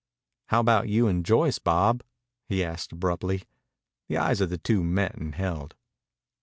"How about you and Joyce, Bob?" he asked abruptly. The eyes of the two met and held.